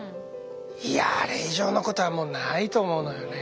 いやあれ以上のことはもうないと思うのよね。